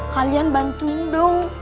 kalian bantuin dong